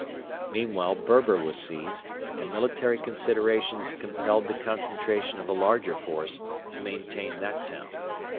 Meanwhile Berber was seized, and military considerations compelled the concentration of a larger force to maintain that town.